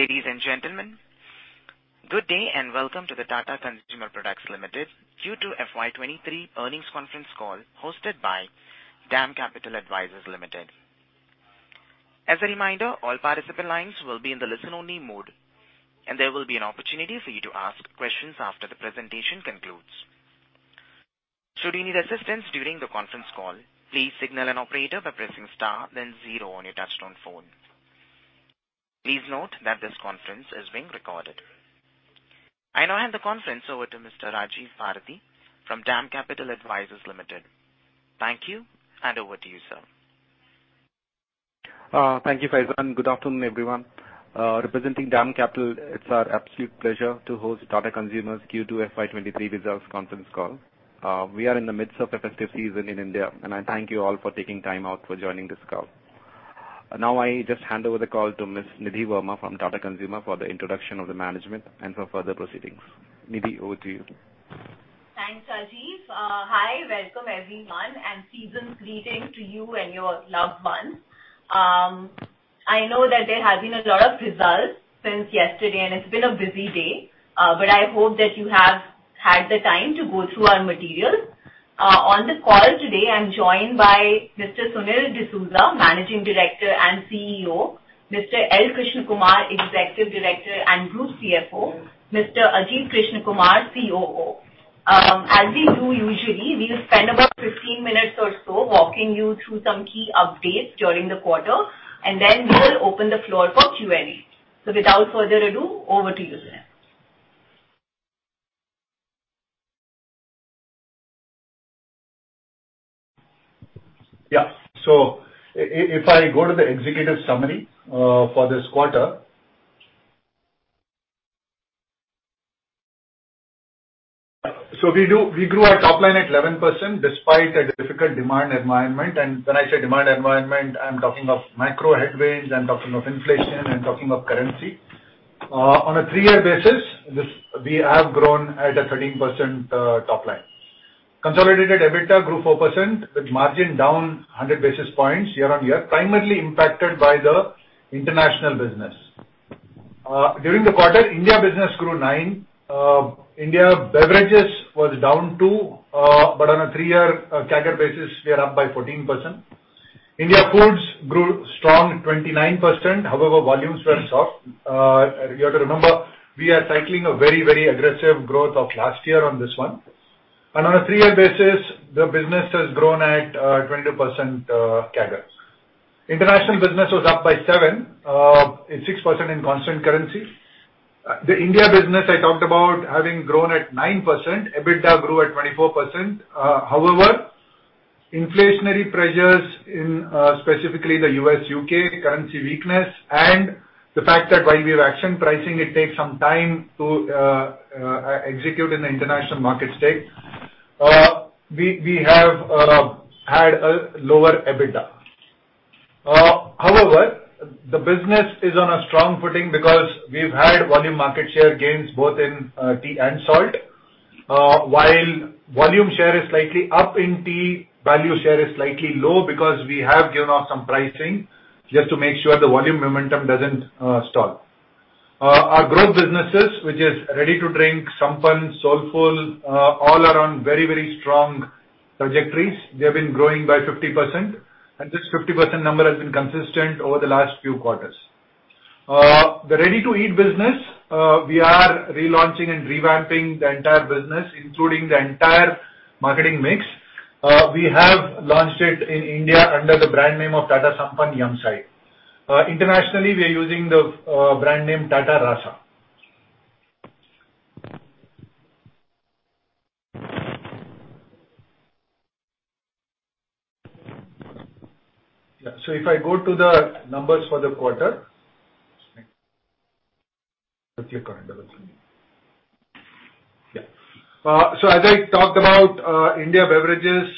Ladies and gentlemen, good day and welcome to the Tata Consumer Products Limited Q2 FY 2023 earnings conference call hosted by DAM Capital Advisors. As a reminder, all participant lines will be in the listen-only mode, and there will be an opportunity for you to ask questions after the presentation concludes. Should you need assistance during the conference call, please signal an operator by pressing star then zero on your touchtone phone. Please note that this conference is being recorded. I now hand the conference over to Mr. Rajiv Bharati from DAM Capital Advisors. Thank you, and over to you, sir. Thank you, Faizan. Good afternoon, everyone. Representing DAM Capital, it's our absolute pleasure to host Tata Consumer's Q2 FY 2023 results conference call. We are in the midst of earnings season in India, and I thank you all for taking time out for joining this call. Now, I just hand over the call to Ms. Nidhi Verma from Tata Consumer for the introduction of the management and for further proceedings. Nidhi, over to you. Thanks, Rajiv. Hi. Welcome, everyone, and season's greetings to you and your loved ones. I know that there have been a lot of results since yesterday, and it's been a busy day, but I hope that you have had the time to go through our materials. On the call today, I'm joined by Mr. Sunil D'Souza, Managing Director and CEO, Mr. L. Krishna Kumar, Executive Director and Group CFO, Mr. Ajit Krishnakumar, COO. As we do usually, we'll spend about 15 minutes or so walking you through some key updates during the quarter, and then we'll open the floor for Q&A. Without further ado, over to you, sir. If I go to the executive summary for this quarter, we grew our top line at 11% despite a difficult demand environment. When I say demand environment, I'm talking of macro headwinds, I'm talking of inflation, I'm talking of currency. On a three-year basis, we have grown at a 13% top line. Consolidated EBITDA grew 4% with margin down 100 basis points year-on-year, primarily impacted by the international business. During the quarter, India business grew 9%. India beverages was down 2%, but on a three-year CAGR basis, we are up by 14%. India foods grew strong at 29%. However, volumes were soft. You have to remember, we are cycling a very aggressive growth of last year on this one. On a three-year basis, the business has grown at 22% CAGR. International business was up by 7.6% in constant currency. The India business I talked about having grown at 9%, EBITDA grew at 24%. However, inflationary pressures in specifically the U.S., U.K. currency weakness and the fact that while we have taken pricing actions, it takes some time to execute in the international markets. We have had a lower EBITDA. However, the business is on a strong footing because we've had volume market share gains both in tea and salt. While volume share is slightly up in tea, value share is slightly low because we have given off some pricing just to make sure the volume momentum doesn't stall. Our growth businesses, which is ready-to-drink, Sampann, Soulfull, all are on very, very strong trajectories. They have been growing by 50%, and this 50% number has been consistent over the last few quarters. The ready-to-eat business, we are relaunching and revamping the entire business, including the entire marketing mix. We have launched it in India under the brand name of Tata Sampann Yumside. Internationally, we are using the brand name Tata Raasa. If I go to the numbers for the quarter. Just click on it. As I talked about, India Beverages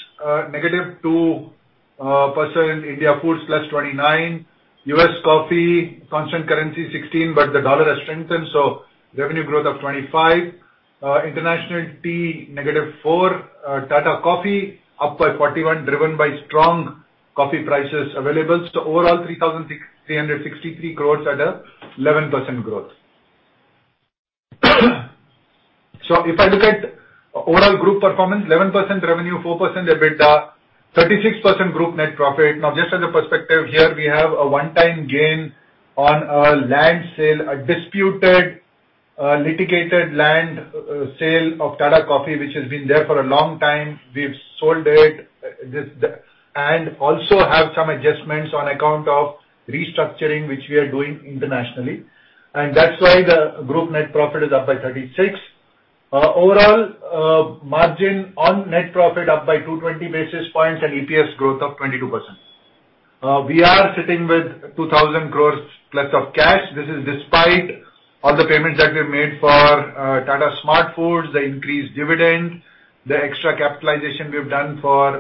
-2%. India Foods +29. U.S. coffee, constant currency 16%, but the dollar has strengthened, so revenue growth of 25%. International tea -4%. Tata Coffee up by 41, driven by strong coffee prices available. Overall, 3,363 crore at 11% growth. If I look at overall group performance, 11% revenue, 4% EBITDA, 36% group net profit. Now just as a perspective here, we have a one-time gain on a land sale, a disputed, litigated land sale of Tata Coffee, which has been there for a long time. We've sold it. We also have some adjustments on account of restructuring which we are doing internationally. That's why the group net profit is up by 36%. Overall, margin on net profit up by 220 basis points and EPS growth of 22%. We are sitting with 2,000 crore+ of cash. This is despite all the payments that we've made for Tata SmartFoodz, the increased dividend, the extra capitalization we've done for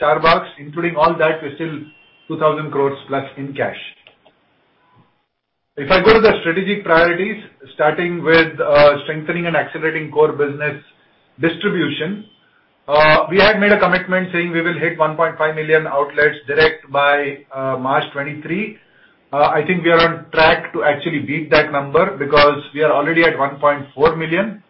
Starbucks. Including all that, we're still 2,000 crore+ in cash. If I go to the strategic priorities, starting with strengthening and accelerating core business distribution, we had made a commitment saying we will hit 1.5 million outlets direct by March 2023. I think we are on track to actually beat that number because we are already at 1.4 million.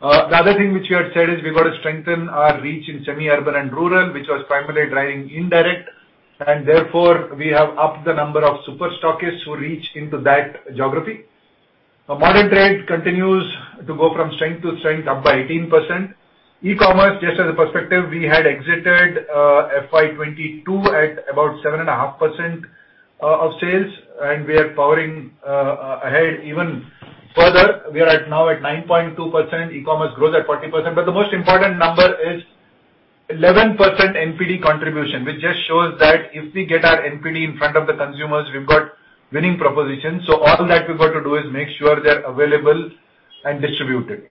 The other thing which we had said is we've got to strengthen our reach in semi-urban and rural, which was primarily driving indirect, and therefore we have upped the number of super stockists who reach into that geography. Now, modern trade continues to go from strength to strength, up by 18%. E-commerce, just as a perspective, we had exited FY 2022 at about 7.5% of sales, and we are powering ahead even further. We are now at 9.2%. E-commerce grows at 40%. The most important number is 11% NPD contribution, which just shows that if we get our NPD in front of the consumers, we've got winning propositions. All that we've got to do is make sure they're available and distributed.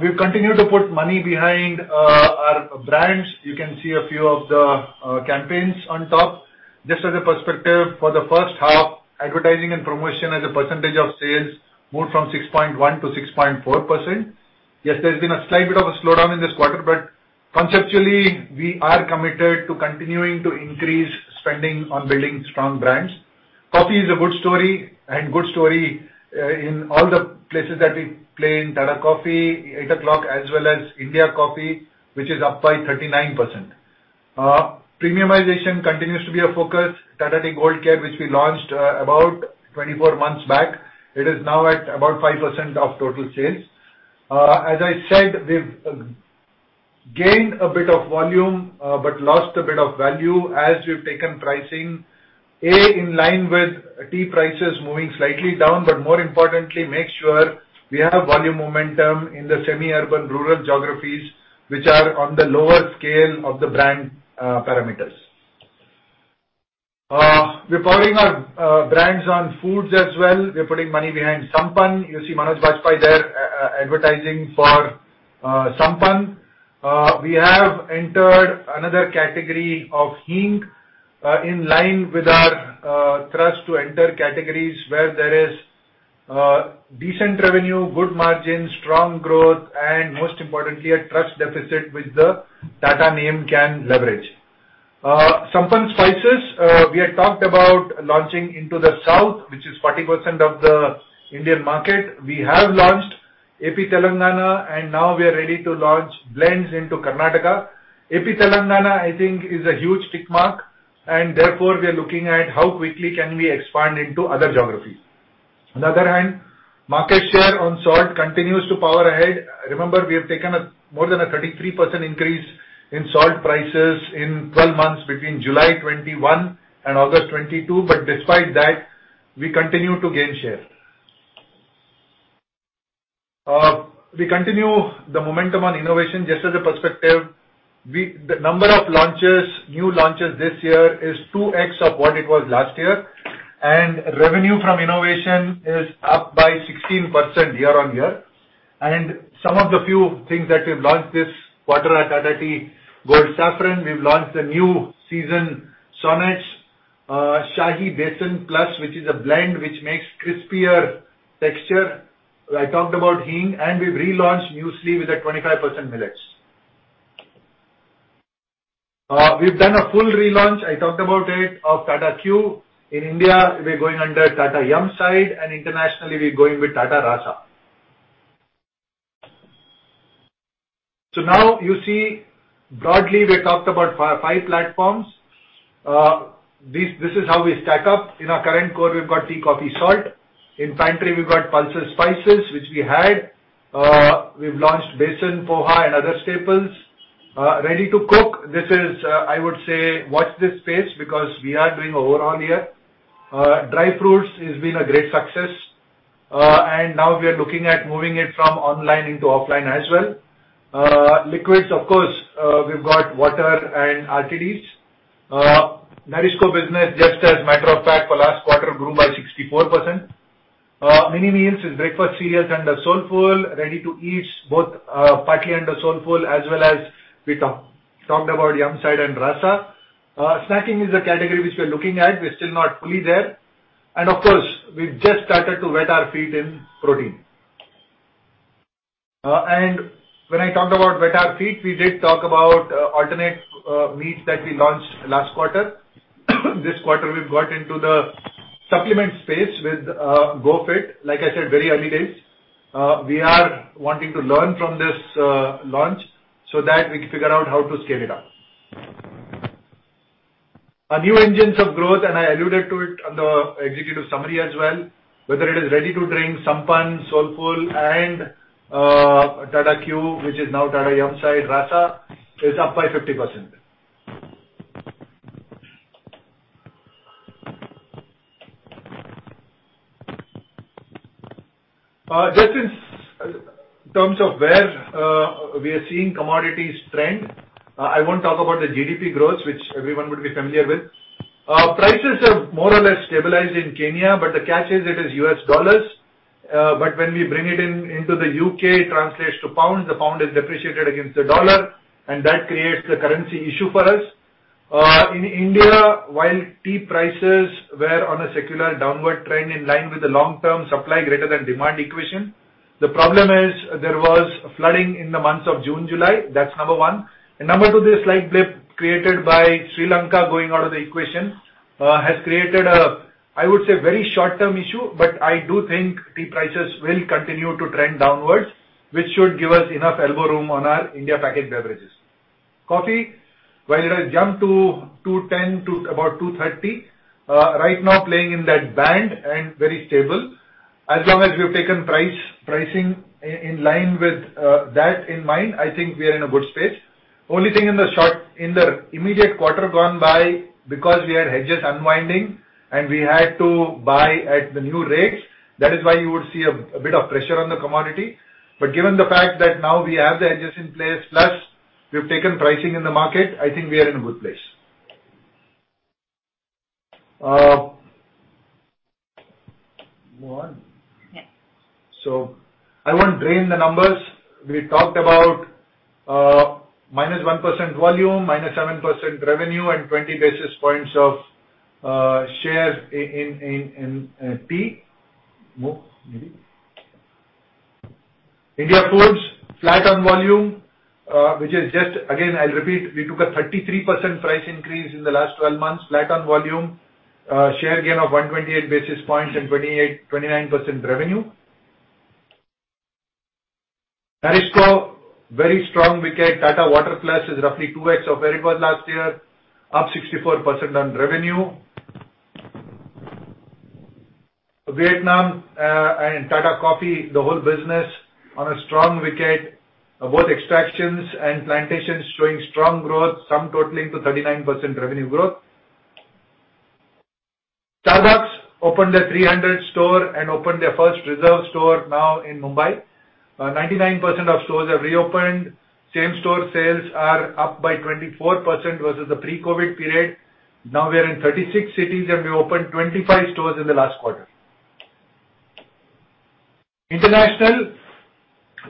We've continued to put money behind our brands. You can see a few of the campaigns on top. Just as a perspective, for the first half, advertising and promotion as a percentage of sales moved from 6.1%-6.4%. Yes, there's been a slight bit of a slowdown in this quarter, but conceptually we are committed to continuing to increase spending on building strong brands. Coffee is a good story in all the places that we play in Tata Coffee, Eight O'Clock, as well as India Coffee, which is up by 39%. Premiumization continues to be a focus. Tata Tea Gold Care, which we launched about 24 months back, it is now at about 5% of total sales. As I said, we've gained a bit of volume, but lost a bit of value as we've taken pricing in line with tea prices moving slightly down, but more importantly, make sure we have volume momentum in the semi-urban rural geographies, which are on the lower scale of the brand parameters. We're powering our brands on foods as well. We're putting money behind Sampann. You see Manoj Bajpayee there advertising for Sampann. We have entered another category of hing in line with our thrust to enter categories where there is decent revenue, good margin, strong growth, and most importantly, a trust deficit which the Tata name can leverage. Sampann spices, we had talked about launching into the South, which is 40% of the Indian market. We have launched AP Telangana, and now we are ready to launch blends into Karnataka. AP Telangana, I think is a huge tick mark, and therefore we are looking at how quickly can we expand into other geographies. On the other hand, market share on salt continues to power ahead. Remember, we have taken a more than a 33% increase in salt prices in 12 months between July 2021 and August 2022, but despite that, we continue to gain share. We continue the momentum on innovation. Just as a perspective, the number of launches, new launches this year is 2x of what it was last year, and revenue from innovation is up by 16% year-on-year. Some of the few things that we've launched this quarter are Tata Tea Gold Saffron. We've launched a new season Sonach, Shahi Besan Plus, which is a blend which makes crispier texture. I talked about hing, and we've relaunched Muesli with 25% millets. We've done a full relaunch, I talked about it, of Tata Q. In India, we're going under Tata Sampann Yumside, and internationally, we're going with Tata Raasa. Now you see broadly we talked about five platforms. This is how we stack up. In our current core, we've got tea, coffee, salt. In pantry, we've got pulses, spices, which we had. We've launched Besan, Poha, and other staples. Ready-to-cook, this is, I would say, watch this space because we are doing overall here. Dry fruits has been a great success, and now we are looking at moving it from online into offline as well. Liquids, of course, we've got water and RTDs. NourishCo business, just as a matter of fact, for last quarter grew by 64%. Mini meals is breakfast cereals under Soulfull. Ready-to-eat, both Poha under Soulfull, as well as we talked about Yumside and Raasa. Snacking is a category which we're looking at. We're still not fully there. Of course, we've just started to wet our feet in protein. When I talked about wet our feet, we did talk about alternate meats that we launched last quarter. This quarter we've got into the supplement space with GoFit. Like I said, very early days. We are wanting to learn from this launch so that we can figure out how to scale it up. Our new engines of growth, and I alluded to it on the executive summary as well, whether it is ready-to-drink, Sampann, Soulfull, and Tata Q, which is now Tata Yumside, Raasa, is up by 50%. Just in terms of where we are seeing commodities trend, I won't talk about the GDP growth, which everyone would be familiar with. Prices have more or less stabilized in Kenya, but the catch is it is U.S. dollars. When we bring it into the U.K., it translates to pound. The pound is depreciated against the dollar, and that creates the currency issue for us. In India, while tea prices were on a secular downward trend in line with the long-term supply greater than demand equation, the problem is there was flooding in the months of June, July. That's number one. Number two, the slight blip created by Sri Lanka going out of the equation has created a, I would say, very short-term issue. I do think tea prices will continue to trend downwards, which should give us enough elbow room on our India packet beverages. Coffee, while it has jumped to 210 to about 230, right now playing in that band and very stable. As long as we've taken price, pricing in line with that in mind, I think we are in a good space. Only thing in the immediate quarter gone by, because we had hedges unwinding, and we had to buy at the new rates, that is why you would see a bit of pressure on the commodity. Given the fact that now we have the hedges in place, plus we've taken pricing in the market, I think we are in a good place. Move on. Yes. I won't drain the numbers. We talked about -1% volume, -7% revenue, and 20 basis points of share in tea. Move, maybe. India Foods, flat on volume, which is just. Again, I'll repeat, we took a 33% price increase in the last twelve months. Flat on volume. Share gain of 1.8 basis points and 28%-29% revenue. NourishCo, very strong wicket. Tata Water Plus is roughly 2x of where it was last year, up 64% on revenue. Vietnam and Tata Coffee, the whole business on a strong wicket. Both extractions and plantations showing strong growth, sum totaling to 39% revenue growth. Starbucks opened their 300th store and opened their first Reserve store now in Mumbai. 99% of stores have reopened. Same-store sales are up by 24% versus the pre-COVID period. Now we are in 36 cities, and we opened 25 stores in the last quarter. International.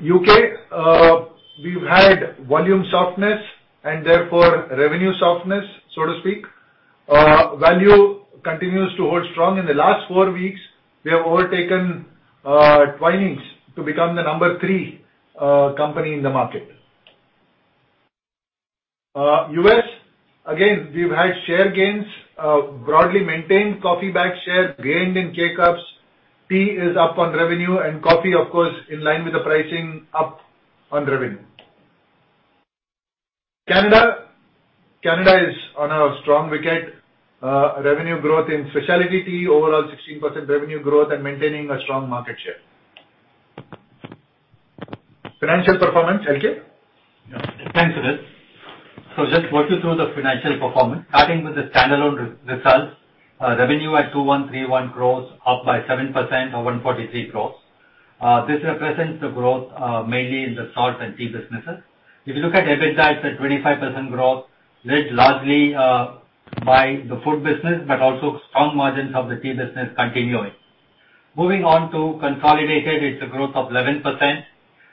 U.K., we've had volume softness and therefore revenue softness, so to speak. Value continues to hold strong. In the last four weeks, we have overtaken Twinings to become the number three company in the market. U.S., again, we've had share gains, broadly maintained coffee bag share, gained in K-Cup. Tea is up on revenue and coffee, of course, in line with the pricing, up on revenue. Canada. Canada is on a strong wicket. Revenue growth in specialty tea, overall 16% revenue growth and maintaining a strong market share. Financial performance, HK? Yeah. Thanks, Sunil. Just walk you through the financial performance. Starting with the standalone results, revenue at 2,131 crores, up by 7% or 143 crores. This represents the growth, mainly in the salt and tea businesses. If you look at EBITDA, it's at 25% growth, led largely by the food business but also strong margins of the tea business continuing. Moving on to consolidated, it's a growth of 11%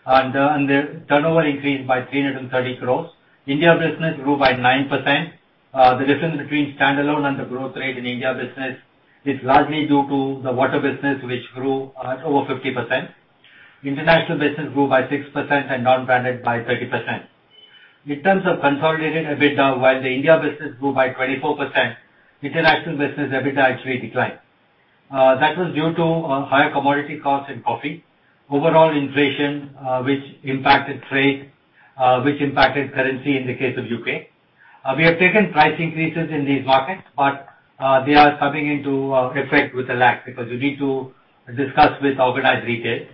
and the turnover increased by 330 crores. India business grew by 9%. The difference between standalone and the growth rate in India business is largely due to the water business, which grew over 50%. International business grew by 6% and non-branded by 30%. In terms of consolidated EBITDA, while the India business grew by 24%, international business EBITDA actually declined. That was due to higher commodity costs in coffee, overall inflation, which impacted trade, which impacted currency in the case of U.K. We have taken price increases in these markets, but they are coming into effect with a lag because we need to discuss with organized retail.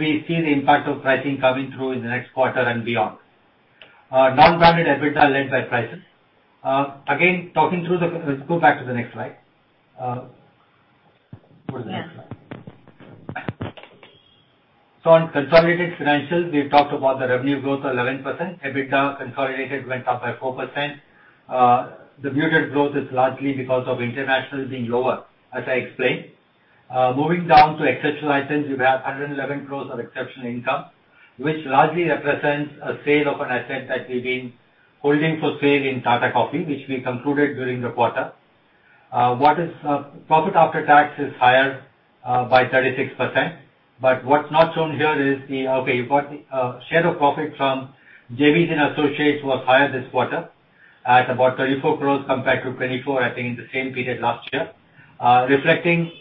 We see the impact of pricing coming through in the next quarter and beyond. Non-branded EBITDA led by prices. Go to the next slide. Yeah. On consolidated financials, we've talked about the revenue growth of 11%. EBITDA consolidated went up by 4%. The muted growth is largely because of international being lower, as I explained. Moving down to exceptional items, we've had 111 crore of exceptional income, which largely represents a sale of an asset that we've been holding for sale in Tata Coffee, which we concluded during the quarter. Profit after tax is higher by 36%. But what's not shown here is the share of profit from JVs and associates, which was higher this quarter at about 34 crore compared to 24, I think, in the same period last year, reflecting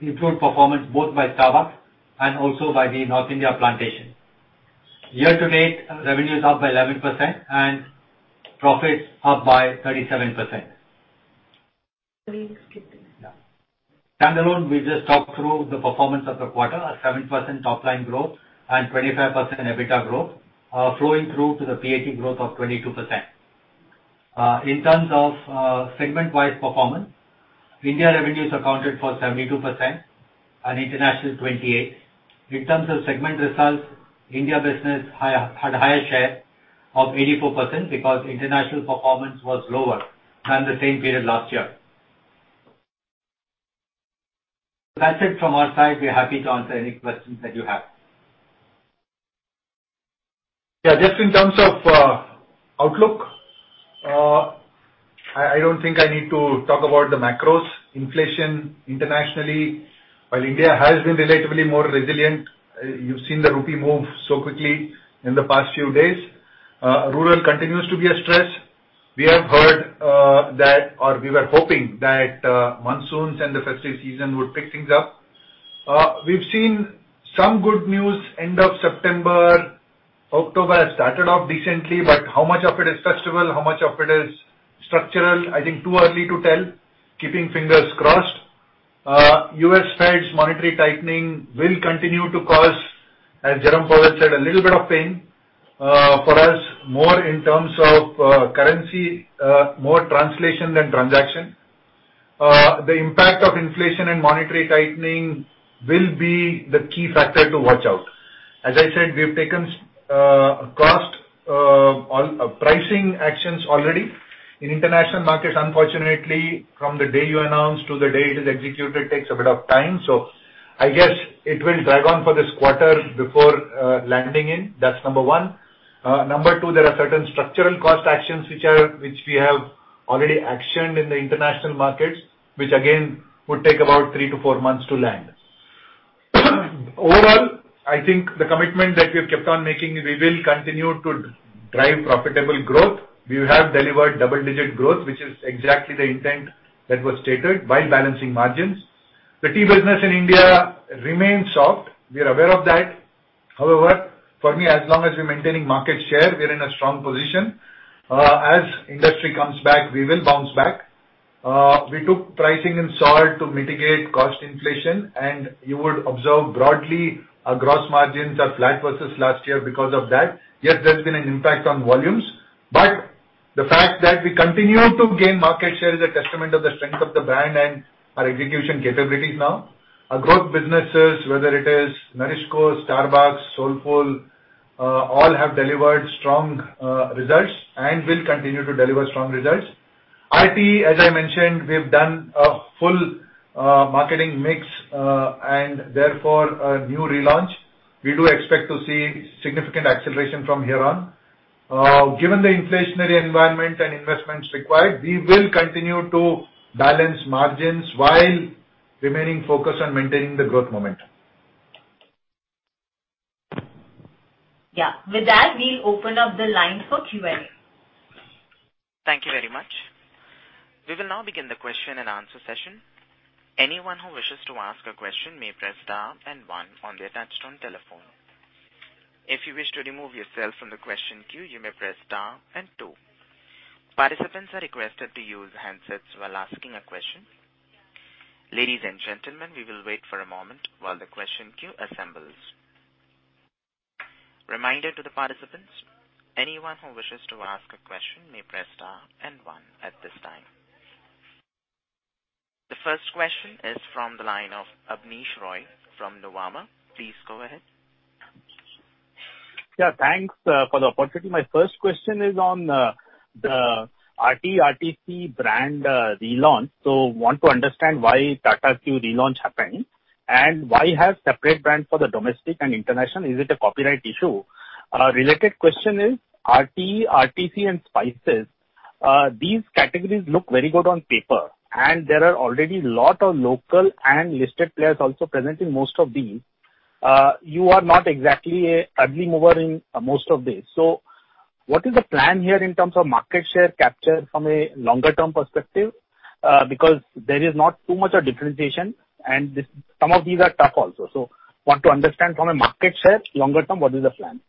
improved performance both by Starbucks and also by the North India plantation. Year-to-date, revenue is up by 11% and profits up by 37%. We skip this. Yeah. Standalone, we just talked through the performance of the quarter, a 7% top line growth and 25% EBITDA growth, flowing through to the PAT growth of 22%. In terms of, segment-wise performance, India revenues accounted for 72% and international 28%. In terms of segment results, India business had higher share of 84% because international performance was lower than the same period last year. That's it from our side. We're happy to answer any questions that you have. Yeah, just in terms of outlook, I don't think I need to talk about the macros. Inflation internationally, while India has been relatively more resilient, you've seen the rupee move so quickly in the past few days. Rural continues to be a stress. We have heard that or we were hoping that monsoons and the festive season would pick things up. We've seen some good news end of September. October has started off decently, but how much of it is festival, how much of it is structural? I think too early to tell. Keeping fingers crossed. U.S. Fed's monetary tightening will continue to cause, as Jerome Powell said, a little bit of pain. For us, more in terms of currency, more translation than transaction. The impact of inflation and monetary tightening will be the key factor to watch out. As I said, we have taken all pricing actions already. In international markets, unfortunately, from the day you announce to the day it is executed takes a bit of time. I guess it will drag on for this quarter before landing in. That's number one. Number two, there are certain structural cost actions which we have already actioned in the international markets, which again would take about three-four months to land. Overall, I think the commitment that we have kept on making, we will continue to drive profitable growth. We have delivered double-digit growth, which is exactly the intent that was stated by balancing margins. The tea business in India remains soft. We are aware of that. However, for me, as long as we're maintaining market share, we're in a strong position. As industry comes back, we will bounce back. We took pricing in salt to mitigate cost inflation, and you would observe broadly our gross margins are flat versus last year because of that. Yes, there's been an impact on volumes, but the fact that we continue to gain market share is a testament of the strength of the brand and our execution capabilities now. Our growth businesses, whether it is NourishCo, Starbucks, Soulfull, all have delivered strong results and will continue to deliver strong results. RTE, as I mentioned, we have done a full marketing mix, and therefore a new relaunch. We do expect to see significant acceleration from here on. Given the inflationary environment and investments required, we will continue to balance margins while remaining focused on maintaining the growth momentum. Yeah. With that, we'll open up the line for Q&A. Thank you very much. We will now begin the question and answer session. Anyone who wishes to ask a question may press star and one on their touch-tone telephone. If you wish to remove yourself from the question queue, you may press star and two. Participants are requested to use handsets while asking a question. Ladies and gentlemen, we will wait for a moment while the question queue assembles. Reminder to the participants, anyone who wishes to ask a question may press star and one at this time. The first question is from the line of Abneesh Roy from Nomura. Please go ahead. Yeah, thanks for the opportunity. My first question is on the RTE, RTC brand relaunch. Want to understand why Tata Q relaunch happened, and why have separate brand for the domestic and international. Is it a copyright issue? Related question is RTE, RTC and spices, these categories look very good on paper, and there are already a lot of local and listed players also present in most of these. You are not exactly an early mover in most of these. What is the plan here in terms of market share capture from a longer term perspective? Because there is not too much of differentiation and some of these are tough also. Want to understand from a market share longer term, what is the plan?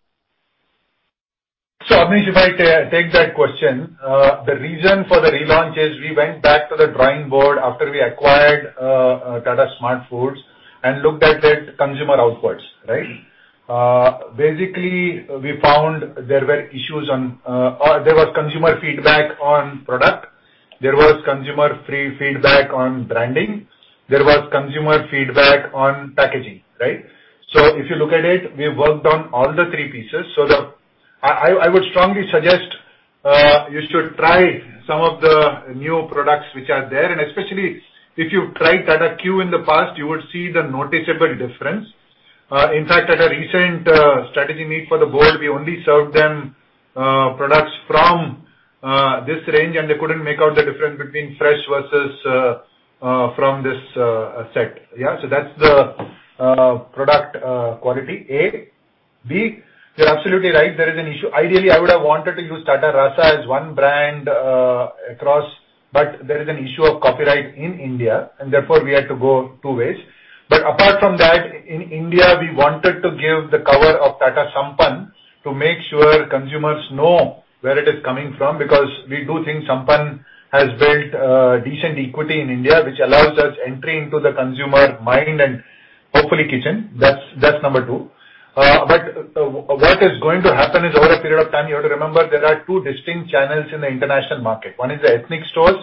Abneesh, if I take that question, the reason for the relaunch is we went back to the drawing board after we acquired Tata Smartfoodz and looked at it consumer outwards, right? Basically we found there were issues on, or there was consumer feedback on product, there was consumer feedback on branding, there was consumer feedback on packaging, right? If you look at it, we worked on all the three pieces. I would strongly suggest you should try some of the new products which are there, and especially if you've tried Tata Q in the past, you would see the noticeable difference. In fact, at a recent strategy meet for the board, we only served them products from this range, and they couldn't make out the difference between fresh versus from this set. Yeah. That's the product quality. A. B, you're absolutely right, there is an issue. Ideally, I would have wanted to use Tata Raasa as one brand across, but there is an issue of copyright in India and therefore we had to go two ways. Apart from that, in India, we wanted to give the cover of Tata Sampann to make sure consumers know where it is coming from because we do think Sampann has built decent equity in India, which allows us entry into the consumer mind and hopefully kitchen. That's number two. What is going to happen is over a period of time, you have to remember there are two distinct channels in the international market. One is the ethnic stores.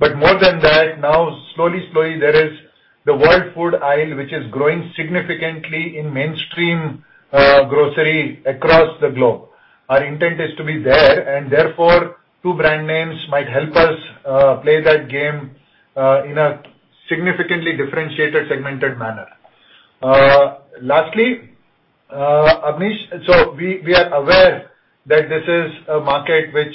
More than that, now slowly there is the world food aisle which is growing significantly in mainstream grocery across the globe. Our intent is to be there, and therefore two brand names might help us play that game in a significantly differentiated, segmented manner. Lastly, Abneesh, we are aware that this is a market which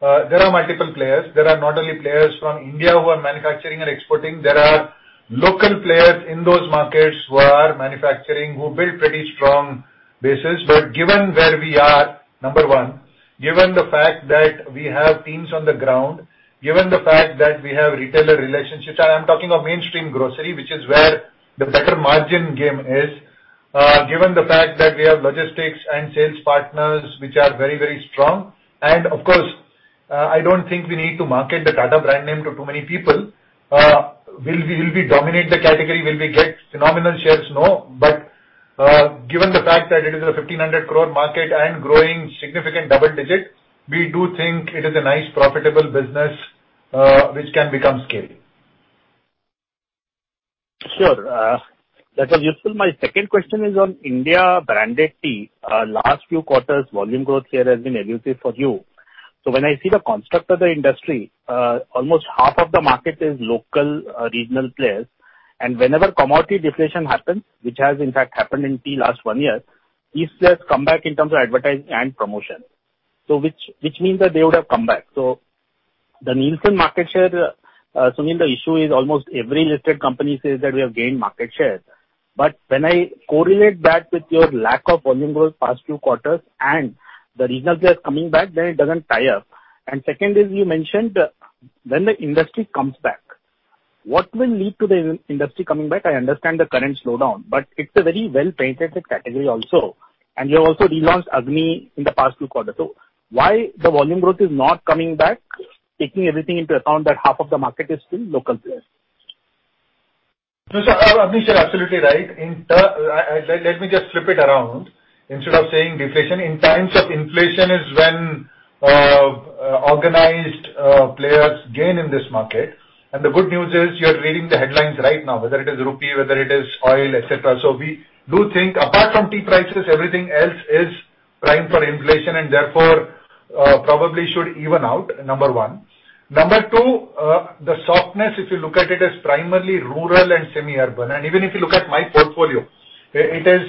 there are multiple players. There are not only players from India who are manufacturing and exporting, there are local players in those markets who are manufacturing, who build pretty strong business. Given where we are, number one, given the fact that we have teams on the ground, given the fact that we have retailer relationships, I am talking of mainstream grocery, which is where the better margin game is. Given the fact that we have logistics and sales partners which are very, very strong, and of course, I don't think we need to market the Tata brand name to too many people. Will we dominate the category? Will we get phenomenal shares? No. Given the fact that it is a 1,500 crore market and growing significant double digits, we do think it is a nice, profitable business, which can become scary. Sure. That was useful. My second question is on India branded tea. Last few quarters, volume growth here has been elusive for you. When I see the construct of the industry, almost half of the market is local, regional players. Whenever commodity deflation happens, which has in fact happened in tea last one year, these players come back in terms of advertising and promotion. Which means that they would have come back. The Nielsen market share, then the issue is almost every listed company says that we have gained market share. When I correlate that with your lack of volume growth past few quarters and the regional players coming back, then it doesn't tie up. Second is you mentioned when the industry comes back. What will lead to the industry coming back? I understand the current slowdown, but it's a very well-penetrated category also. You have also relaunched Agni in the past two quarters. Why the volume growth is not coming back, taking everything into account that half of the market is still local players? No, Abneesh, you're absolutely right. Let me just flip it around. Instead of saying deflation, in times of inflation is when organized players gain in this market. The good news is you're reading the headlines right now, whether it is rupee, whether it is oil, et cetera. We do think apart from tea prices, everything else is primed for inflation and therefore probably should even out, number one. Number two, the softness, if you look at it, is primarily rural and semi-urban. Even if you look at my portfolio, it is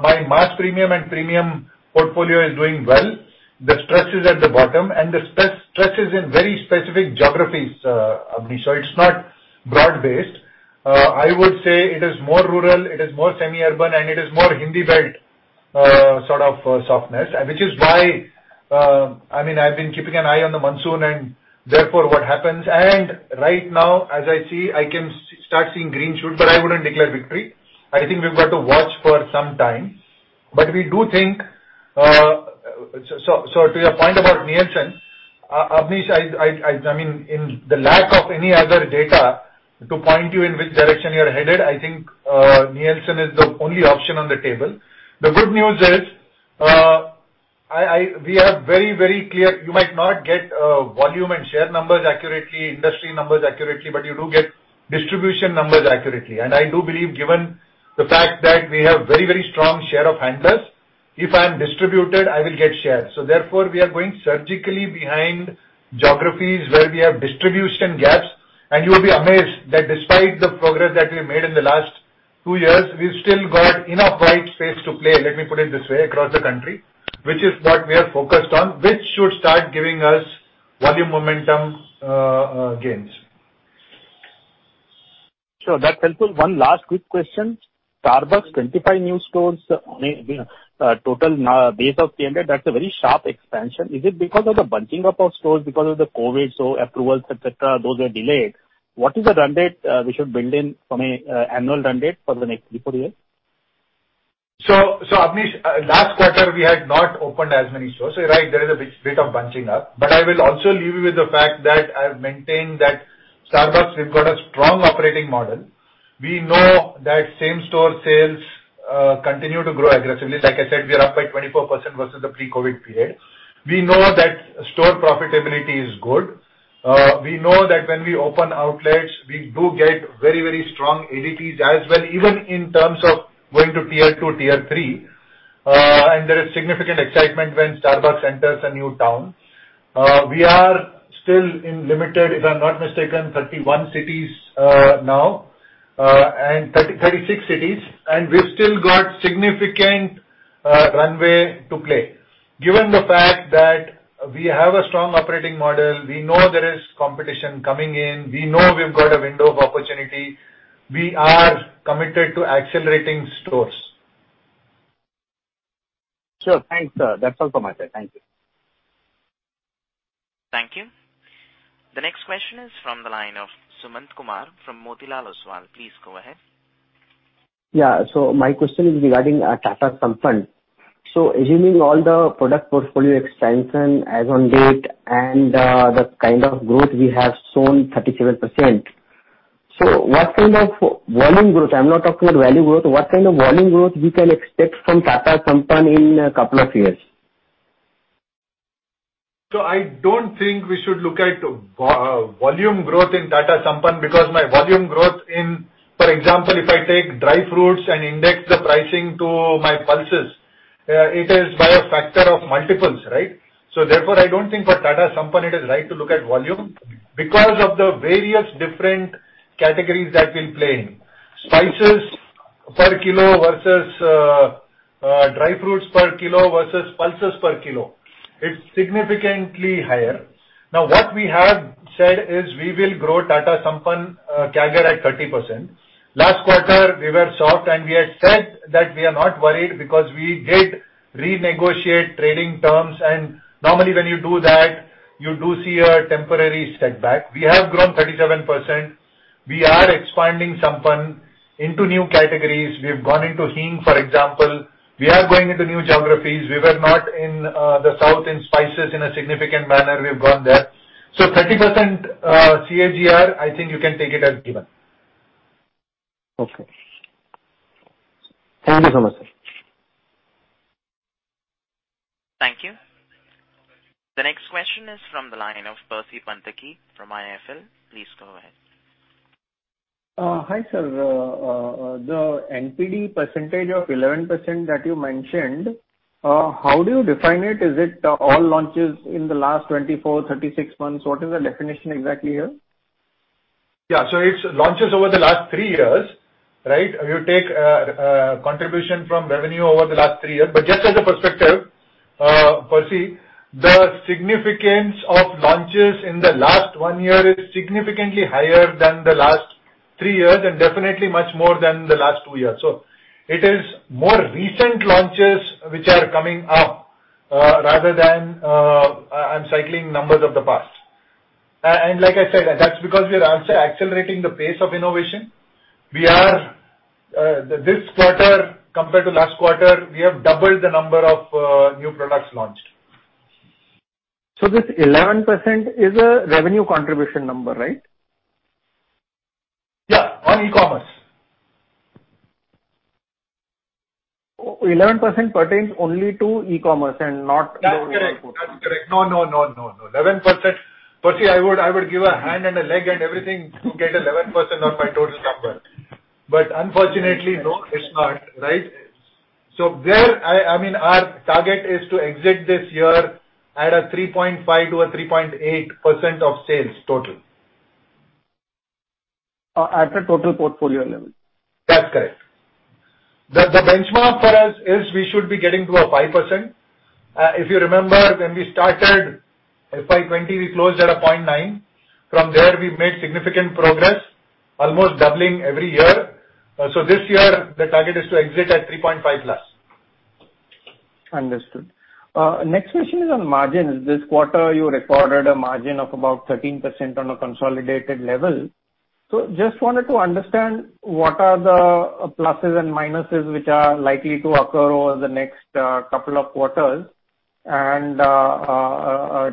my mass premium and premium portfolio is doing well. The stress is at the bottom, and the stress is in very specific geographies, Abneesh. It's not broad-based. I would say it is more rural, it is more semi-urban, and it is more Hindi belt sort of softness. Which is why, I mean, I've been keeping an eye on the monsoon and therefore what happens. Right now, as I see, I can start seeing green shoots, but I wouldn't declare victory. I think we've got to watch for some time. We do think to your point about Nielsen, Abneesh, I mean, in the lack of any other data to point you in which direction you're headed, I think Nielsen is the only option on the table. The good news is, we are very, very clear. You might not get volume and share numbers accurately, industry numbers accurately, but you do get distribution numbers accurately. I do believe, given the fact that we have very, very strong share of handlers, if I am distributed, I will get shares. Therefore, we are going surgically behind geographies where we have distribution gaps. You'll be amazed that despite the progress that we've made in the last two years, we've still got enough white space to play, let me put it this way, across the country, which is what we are focused on, which should start giving us volume momentum, gains. Sure, that's helpful. One last quick question. Starbucks, 25 new stores on a total base of 300, that's a very sharp expansion. Is it because of the bunching up of stores because of the COVID, so approvals, et cetera, those were delayed? What is the run rate we should build in from an annual run rate for the next three, four years? Abneesh, last quarter we had not opened as many stores. You're right, there is a bit of bunching up. I will also leave you with the fact that I've maintained that Starbucks, we've got a strong operating model. We know that same store sales continue to grow aggressively. Like I said, we are up by 24% versus the pre-COVID period. We know that store profitability is good. We know that when we open outlets, we do get very strong ADPs as well, even in terms of going to Tier 2, Tier 3. There is significant excitement when Starbucks enters a new town. We are still in limited, if I'm not mistaken, 31 cities now and 36 cities, and we've still got significant runway to play. Given the fact that we have a strong operating model, we know there is competition coming in, we know we've got a window of opportunity, we are committed to accelerating stores. Sure. Thanks, sir. That's all from my side. Thank you. Thank you. The next question is from the line of Sumant Kumar from Motilal Oswal. Please go ahead. My question is regarding Tata Sampann. Assuming all the product portfolio expansion as on date and the kind of growth we have shown, 37%. What kind of volume growth, I'm not talking about value growth, what kind of volume growth we can expect from Tata Sampann in a couple of years? I don't think we should look at volume growth in Tata Sampann because my volume growth in. For example, if I take dry fruits and index the pricing to my pulses, it is by a factor of multiples, right? Therefore, I don't think for Tata Sampann it is right to look at volume because of the various different categories that we play in. Spices per kilo versus, dry fruits per kilo versus pulses per kilo, it's significantly higher. Now, what we have said is we will grow Tata Sampann, CAGR at 30%. Last quarter, we were soft, and we had said that we are not worried because we did renegotiate trading terms. Normally when you do that, you do see a temporary setback. We have grown 37%. We are expanding Sampann into new categories. We've gone into heeng, for example. We are going into new geographies. We were not in the south in spices in a significant manner. We've gone there. 30% CAGR, I think you can take it as given. Okay. Thank you so much, sir. Thank you. The next question is from the line of Percy Panthaki from IIFL. Please go ahead. Hi, sir. The NPD percentage of 11% that you mentioned, how do you define it? Is it all launches in the last 24-36 months? What is the definition exactly here? Yeah, it's launches over the last three years, right? You take contribution from revenue over the last three years. Just as a perspective, Percy, the significance of launches in the last one year is significantly higher than the last three years and definitely much more than the last two years. It is more recent launches which are coming up rather than recycling numbers of the past. Like I said, that's because we are also accelerating the pace of innovation. We are this quarter compared to last quarter, we have doubled the number of new products launched. This 11% is a revenue contribution number, right? Yeah, on e-commerce. 11% pertains only to e-commerce and not. That's correct. No. 11%... Percy, I would give an arm and a leg and everything to get 11% of my total number. But unfortunately, no, it's not, right? There, I mean, our target is to exit this year at a 3.5%-3.8% of sales total. At a total portfolio level? That's correct. The benchmark for us is we should be getting to 5%. If you remember when we started FY 2020, we closed at 0.9%. From there we've made significant progress, almost doubling every year. This year the target is to exit at 3.5%+. Understood. Next question is on margins. This quarter you recorded a margin of about 13% on a consolidated level. Just wanted to understand what are the pluses and minuses which are likely to occur over the next couple of quarters.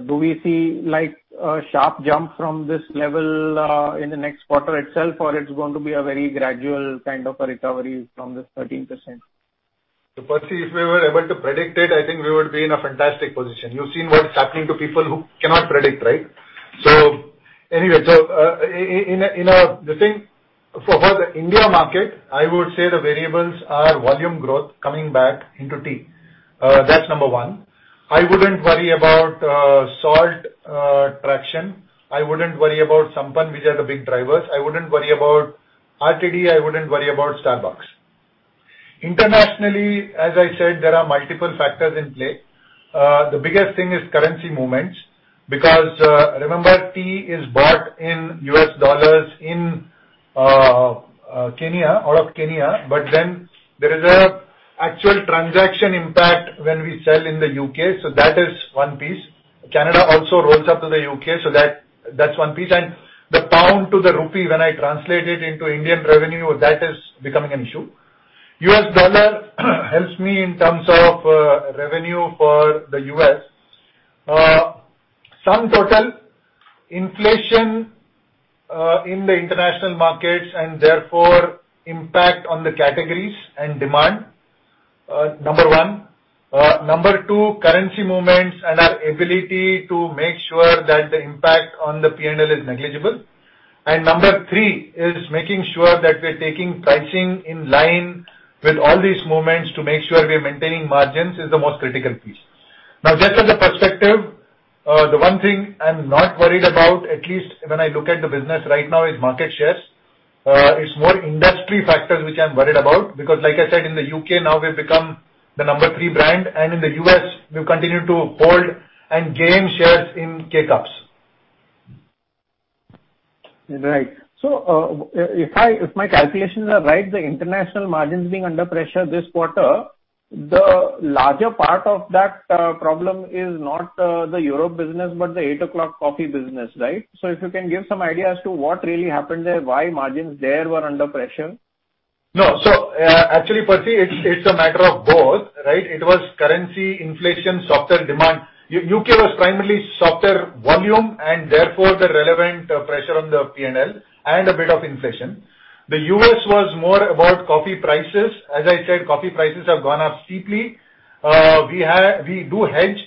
Do we see like a sharp jump from this level in the next quarter itself, or it's going to be a very gradual kind of a recovery from this 13%? Percy, if we were able to predict it, I think we would be in a fantastic position. You've seen what's happening to people who cannot predict, right? Anyway, The thing for the India market, I would say the variables are volume growth coming back into tea. That's number one. I wouldn't worry about salt traction. I wouldn't worry about Sampann, which are the big drivers. I wouldn't worry about RTD. I wouldn't worry about Starbucks. Internationally, as I said, there are multiple factors in play. The biggest thing is currency movements, because, remember, tea is bought in U.S. dollars in Kenya, out of Kenya, but then there is an actual transaction impact when we sell in the U.K., so that is one piece. Canada also rolls up to the U.K., so that's one piece. The pound to the rupee, when I translate it into Indian revenue, that is becoming an issue. US dollar helps me in terms of, revenue for the US. Sum total, inflation, in the international markets and therefore impact on the categories and demand, number one. Number two, currency movements and our ability to make sure that the impact on the P&L is negligible. Number three is making sure that we're taking pricing in line with all these movements to make sure we are maintaining margins is the most critical piece. Now, just as a perspective, the one thing I'm not worried about, at least when I look at the business right now, is market shares. It's more industry factors which I'm worried about, because like I said, in the UK now we've become the number three brand, and in the US we've continued to hold and gain shares in K-Cups. Right. If my calculations are right, the international margins being under pressure this quarter, the larger part of that problem is not the Europe business, but the Eight O'Clock Coffee business, right? If you can give some idea as to what really happened there, why margins there were under pressure? No. Actually, Percy, it's a matter of both, right? It was currency inflation, softer demand. U.K. was primarily softer volume and therefore the relevant pressure on the P&L and a bit of inflation. The U.S. was more about coffee prices. As I said, coffee prices have gone up steeply. We do hedge.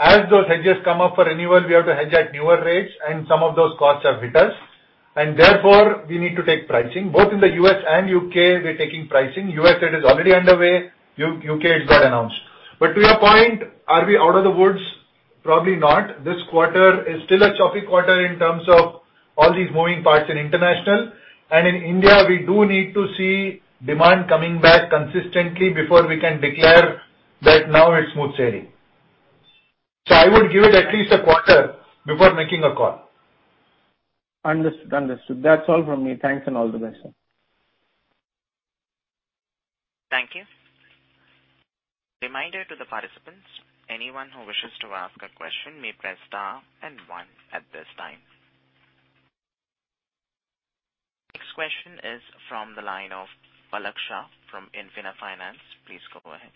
As those hedges come up for renewal, we have to hedge at newer rates, and some of those costs have hit us. Therefore we need to take pricing. Both in the U.S. and U.K. we're taking pricing. U.S., it is already underway. U.K., it got announced. To your point, are we out of the woods? Probably not. This quarter is still a choppy quarter in terms of all these moving parts in international. In India, we do need to see demand coming back consistently before we can declare that now it's smooth sailing. I would give it at least a quarter before making a call. Understood. That's all from me. Thanks and all the best, sir. Thank you. Reminder to the participants, anyone who wishes to ask a question may press star and one at this time. Next question is from the line of Palak Shah from ITI Alternate Funds. Please go ahead.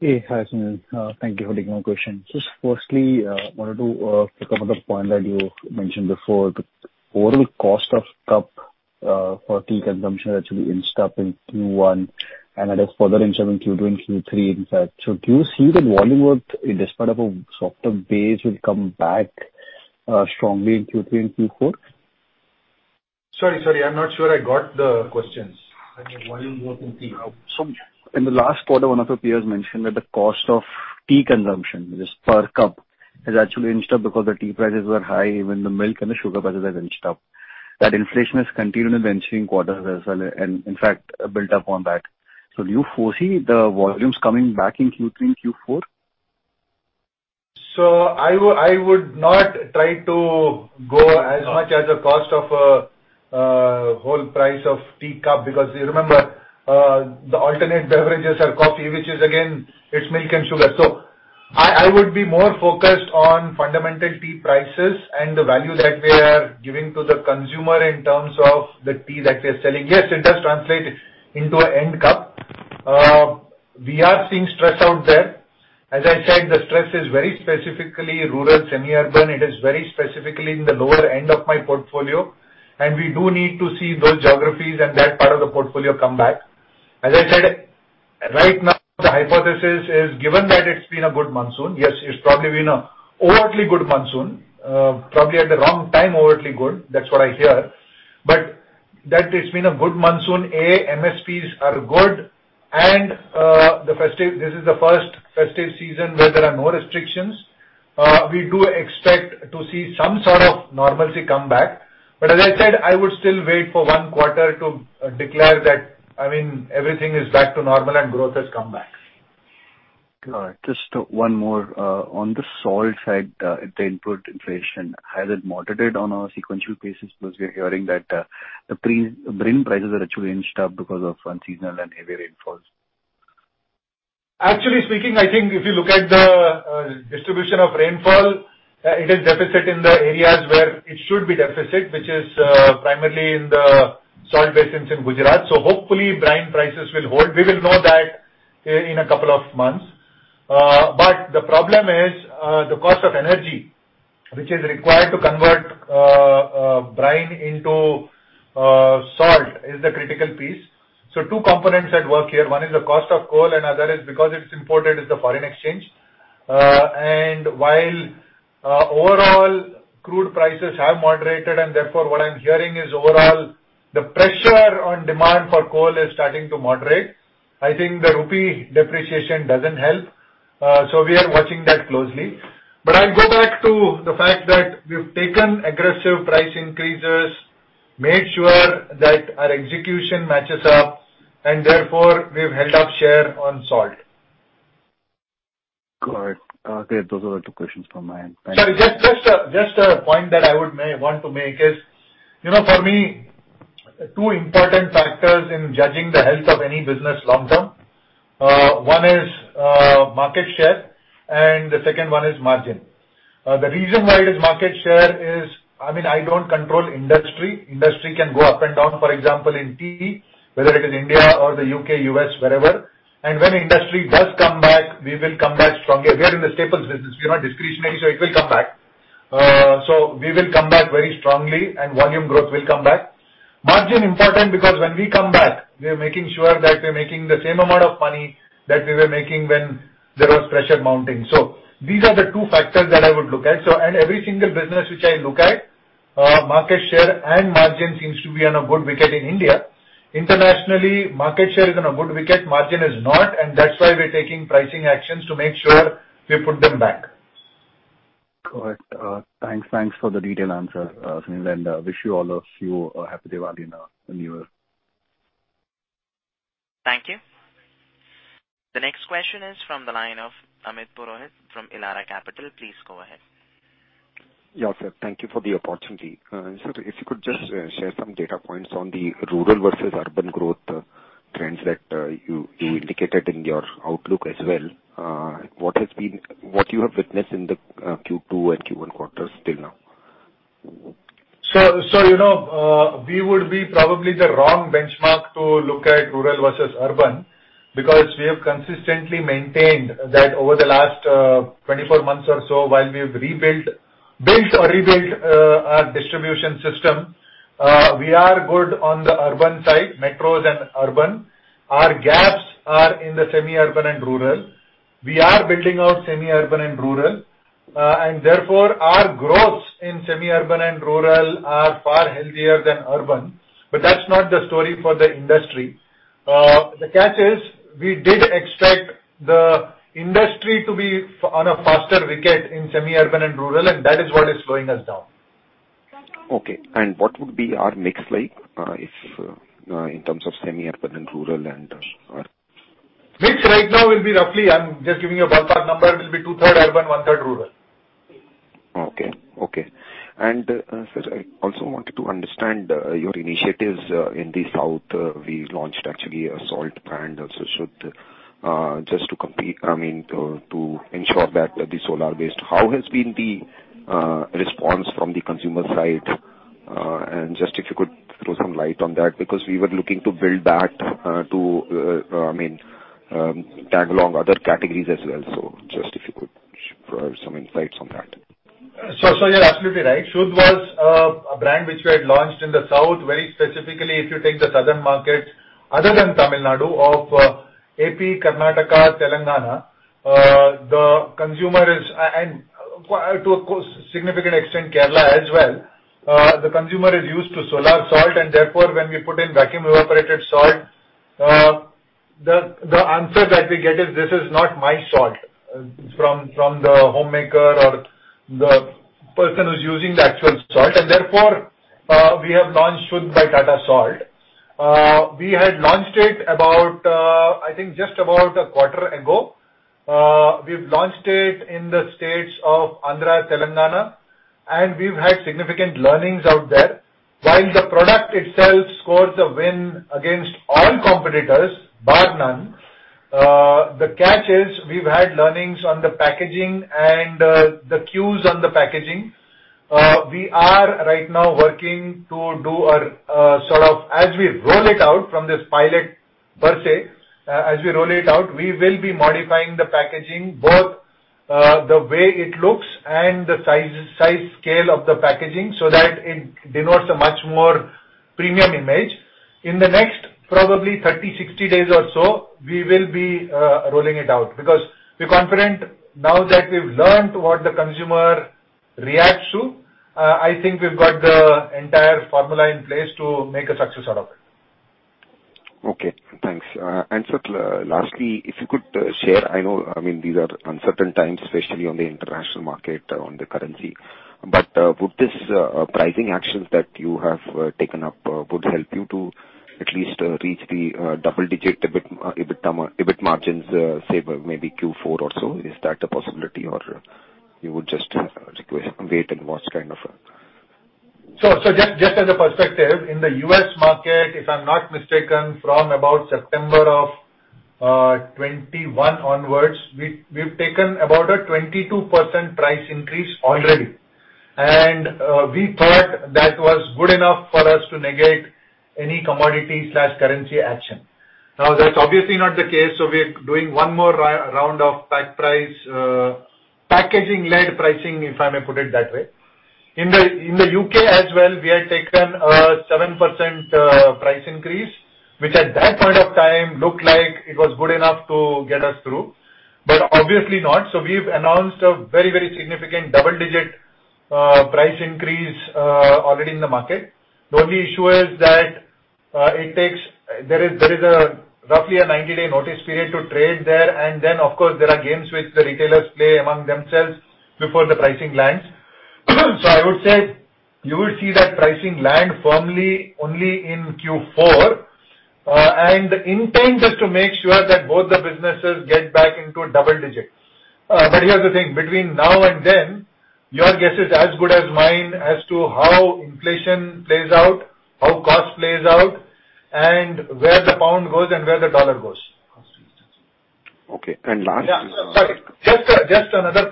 Hey. Hi, Sunil. Thank you for taking my question. Just firstly, wanted to pick up on the point that you mentioned before. The overall cost per cup for tea consumption actually inched up in Q1, and it has further inched up in Q2 and Q3, in fact. Do you see the volume growth in spite of a softer base will come back strongly in Q3 and Q4? Sorry, I'm not sure I got the questions. Volume growth in tea. In the last quarter, one of your peers mentioned that the cost of tea consumption, just per cup, has actually inched up because the tea prices were high, even the milk and the sugar prices have inched up. That inflation has continued in the ensuing quarters as well, and in fact built up on that. Do you foresee the volumes coming back in Q3 and Q4? I would not try to go as much as the cost of the wholesale price of teacup because you remember the alternative beverages are coffee, which is again, it's milk and sugar. I would be more focused on fundamental tea prices and the value that we are giving to the consumer in terms of the tea that we are selling. Yes, it does translate into an end cup. We are seeing stress out there. As I said, the stress is very specifically rural, semi-urban. It is very specifically in the lower end of my portfolio, and we do need to see those geographies and that part of the portfolio come back. As I said, right now the hypothesis is given that it's been a good monsoon. Yes, it's probably been an overly good monsoon. Probably at the wrong time overly good, that's what I hear. That it's been a good monsoon. MSPs are good and the festive season. This is the first festive season where there are no restrictions. We do expect to see some sort of normalcy come back. As I said, I would still wait for one quarter to declare that, I mean, everything is back to normal and growth has come back. Got it. Just one more. On the salt side, the input inflation, has it moderated on a sequential basis? Because we're hearing that the brine prices are actually inched up because of unseasonal and heavy rainfalls. Actually speaking, I think if you look at the distribution of rainfall, it is deficit in the areas where it should be deficit, which is primarily in the salt basins in Gujarat. Hopefully brine prices will hold. We will know that in a couple of months. The problem is the cost of energy which is required to convert brine into salt is the critical piece. Two components at work here. One is the cost of coal and other is because it's imported, is the foreign exchange. While overall crude prices have moderated and therefore what I'm hearing is overall the pressure on demand for coal is starting to moderate. I think the rupee depreciation doesn't help. We are watching that closely. I'll go back to the fact that we've taken aggressive price increases, made sure that our execution matches up and therefore we've held up share on salt. Got it. Great. Those are the two questions from my end. Thank you. Sorry, just a point that I would want to make is, you know, for me, two important factors in judging the health of any business long term, one is market share and the second one is margin. The reason why it is market share is, I mean, I don't control industry. Industry can go up and down, for example, in tea, whether it is India or the U.K., U.S., wherever. When industry does come back, we will come back strongly. We are in the staples business. We are not discretionary, so it will come back. We will come back very strongly and volume growth will come back. Margin important because when we come back, we are making sure that we are making the same amount of money that we were making when there was pressure mounting. These are the two factors that I would look at. Every single business which I look at, market share and margin seems to be on a good wicket in India. Internationally, market share is on a good wicket, margin is not, and that's why we're taking pricing actions to make sure we put them back. Got it. Thanks. Thanks for the detailed answer, Sunil, and wish you all of you a happy Diwali and a new year. Thank you. The next question is from the line of Amit Purohit from Elara Capital. Please go ahead. Yeah, sir. Thank you for the opportunity. Sir, if you could just share some data points on the rural versus urban growth trends that you indicated in your outlook as well. What you have witnessed in the Q2 and Q1 quarters till now? You know, we would be probably the wrong benchmark to look at rural versus urban. Because we have consistently maintained that over the last 24 months or so, while we have rebuilt our distribution system, we are good on the urban side, metros and urban. Our gaps are in the semi-urban and rural. We are building out semi-urban and rural, and therefore, our growths in semi-urban and rural are far healthier than urban, but that's not the story for the industry. The catch is we did expect the industry to be on a faster wicket in semi-urban and rural, and that is what is slowing us down. What would be our mix like, in terms of semi-urban and rural and urban? Mix right now will be roughly. I'm just giving you a ballpark number, two-thirds urban, one-third rural. Sir, I also wanted to understand your initiatives in the south. We launched actually a salt brand, also Shuddh, just to compete. I mean, to ensure that the salt base. How has been the response from the consumer side? Just if you could throw some light on that, because we were looking to build that, I mean, tag along other categories as well. Just if you could throw some insights on that. You're absolutely right. Shuddh was a brand which we had launched in the South. Very specifically, if you take the southern markets other than Tamil Nadu of AP, Karnataka, Telangana, to a considerable extent, Kerala as well, the consumer is used to solar salt, and therefore, when we put in vacuum evaporated salt, the answer that we get is, "This is not my salt," from the homemaker or the person who's using the actual salt. Therefore, we have launched Shuddh by Tata Salt. We had launched it about, I think just about a quarter ago. We've launched it in the states of Andhra, Telangana, and we've had significant learnings out there. While the product itself scores a win against all competitors, bar none, the catch is we've had learnings on the packaging and the cues on the packaging. We are right now working to do a sort of as we roll it out from this pilot per se, we will be modifying the packaging, both the way it looks and the size scale of the packaging so that it denotes a much more premium image. In the next probably 30, 60 days or so, we will be rolling it out because we're confident now that we've learned what the consumer reacts to, I think we've got the entire formula in place to make a success out of it. Okay, thanks. Sir, lastly, if you could share, I know, I mean, these are uncertain times, especially on the international market, on the currency, but would this pricing actions that you have taken up help you to at least reach the double-digit EBIT, EBITDA, EBIT margins, say maybe Q4 or so? Is that a possibility or you would just request, wait and watch kind of? Just as a perspective, in the U.S. market, if I'm not mistaken, from about September 2021 onwards, we've taken about a 22% price increase already. We thought that was good enough for us to negate any commodity currency action. That's obviously not the case, so we're doing one more round of packaging-led pricing, if I may put it that way. In the U.K. as well, we had taken a 7% price increase, which at that point of time looked like it was good enough to get us through. Obviously not, so we've announced a very significant double-digit price increase already in the market. The only issue is that it takes. There is roughly a 90-day notice period to trade there, and then of course, there are games which the retailers play among themselves before the pricing lands. I would say you will see that pricing land firmly only in Q4. The intent is to make sure that both the businesses get back into double digits. Here's the thing, between now and then, your guess is as good as mine as to how inflation plays out, how cost plays out, and where the pound goes and where the dollar goes. Okay. Last- The other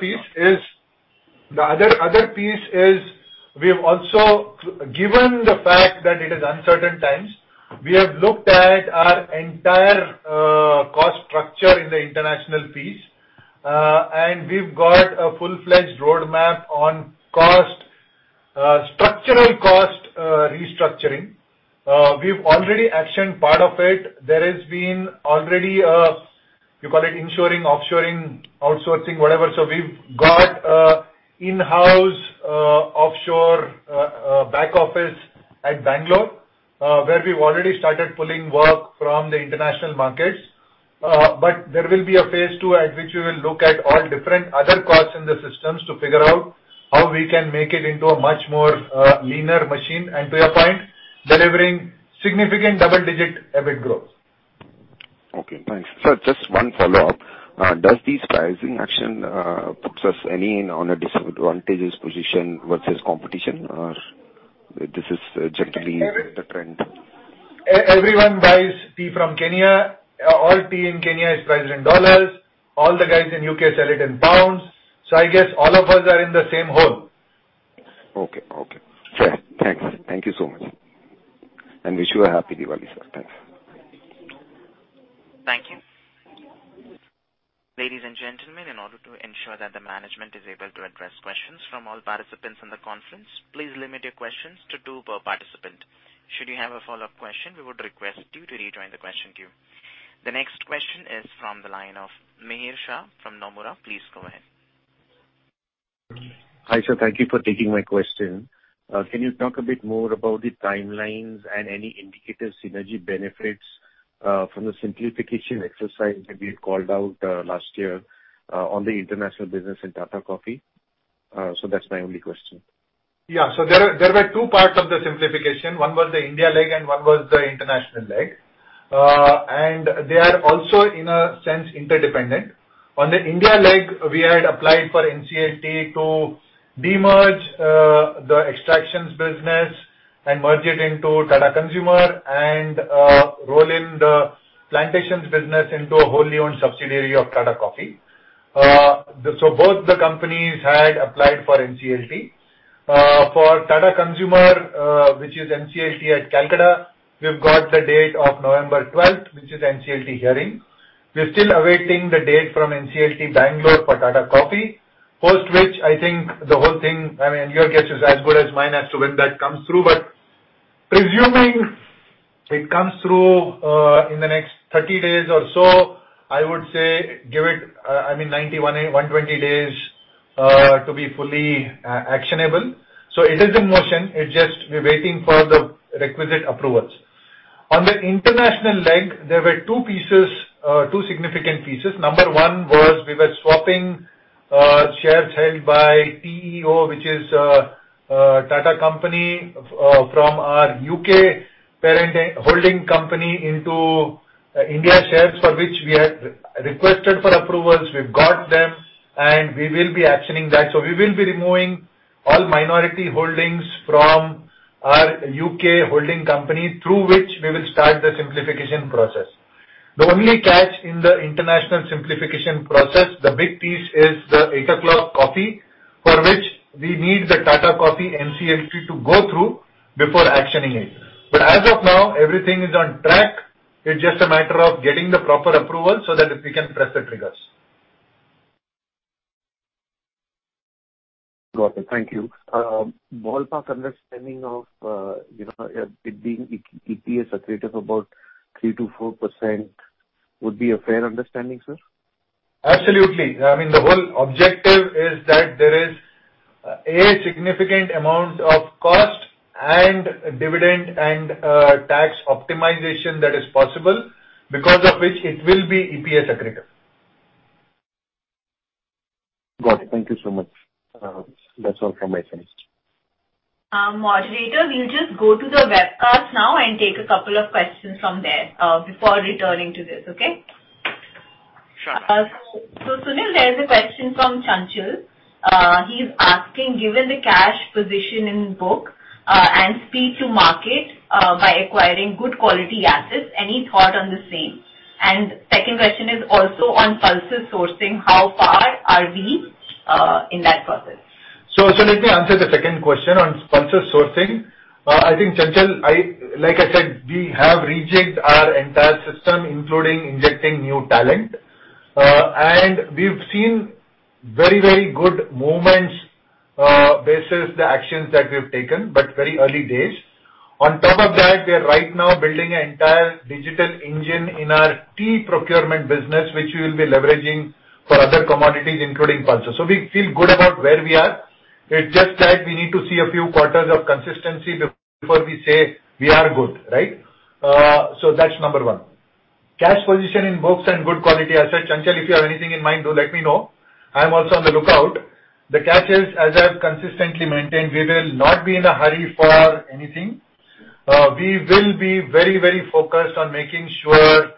piece is we have also given the fact that it is uncertain times, we have looked at our entire cost structure in the international piece, and we've got a full-fledged roadmap on cost structural cost restructuring. We've already actioned part of it. There has already been, you call it inshoring, offshoring, outsourcing, whatever. So we've got an in-house offshore back office at Bangalore, where we've already started pulling work from the international markets. But there will be a phase two at which we will look at all different other costs in the systems to figure out how we can make it into a much more leaner machine, and to your point, delivering significant double-digit EBIT growth. Okay, thanks. Sir, just one follow-up. Do these pricing actions put us in any disadvantageous position versus competition, or is this generally the trend? Everyone buys tea from Kenya. All tea in Kenya is priced in dollars. All the guys in U.K. sell it in pounds. I guess all of us are in the same hole. Okay. Okay. Sure. Thanks. Thank you so much. Wish you a happy Diwali, sir. Thanks. Thank you. Ladies and gentlemen, in order to ensure that the management is able to address questions from all participants in the conference, please limit your questions to two per participant. Should you have a follow-up question, we would request you to rejoin the question queue. The next question is from the line of Mihir Shah from Nomura. Please go ahead. Hi, sir. Thank you for taking my question. Can you talk a bit more about the timelines and any indicative synergy benefits from the simplification exercise that we had called out last year on the international business in Tata Coffee? That's my only question. There were two parts of the simplification. One was the India leg and one was the international leg. They are also, in a sense, interdependent. On the India leg, we had applied for NCLT to demerge the extractions business and merge it into Tata Consumer and roll in the plantations business into a wholly owned subsidiary of Tata Coffee. Both the companies had applied for NCLT. For Tata Consumer, which is NCLT at Calcutta, we've got the date of November twelfth, which is NCLT hearing. We're still awaiting the date from NCLT Bangalore for Tata Coffee, post which I think the whole thing, I mean, your guess is as good as mine as to when that comes through. Presuming it comes through in the next 30 days or so, I would say give it, I mean, 90, 180, 120 days to be fully actionable. It is in motion. It just we're waiting for the requisite approvals. On the international leg, there were two significant pieces. Number one was we were swapping shares held by TEO, which is a Tata company, from our UK parent holding company into India shares for which we had requested for approvals. We've got them, and we will be actioning that. We will be removing all minority holdings from our UK holding company, through which we will start the simplification process. The only catch in the international simplification process, the big piece is the Eight O'Clock Coffee, for which we need the Tata Coffee NCLT to go through before actioning it. As of now, everything is on track. It's just a matter of getting the proper approval so that we can press the triggers. Got it. Thank you. Ballpark understanding of, you know, it being EPS accretive about 3%-4% would be a fair understanding, sir? Absolutely. I mean, the whole objective is that there is a significant amount of cost and dividend and tax optimization that is possible, because of which it will be EPS accretive. Got it. Thank you so much. That's all from my side. Moderator, will you just go to the webcast now and take a couple of questions from there, before returning to this? Okay. Sure. Sunil, there is a question from Chanchal. He's asking, given the cash position in book, and speed to market, by acquiring good quality assets, any thought on the same? Second question is also on pulses sourcing. How far are we in that process? Let me answer the second question on pulses sourcing. I think, Chanchal, like I said, we have rejigged our entire system, including injecting new talent. We've seen very good movements versus the actions that we've taken, but very early days. On top of that, we are right now building an entire digital engine in our tea procurement business, which we will be leveraging for other commodities, including pulses. We feel good about where we are. It's just that we need to see a few quarters of consistency before we say we are good, right? That's number one. Cash position in books and good quality assets. Chanchal, if you have anything in mind, do let me know. I'm also on the lookout. The catch is, as I've consistently maintained, we will not be in a hurry for anything. We will be very, very focused on making sure